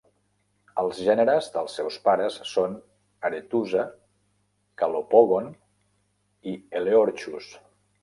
Els gèneres dels seus pares són "Arethusa", "Calopogon" i "Eleorchus".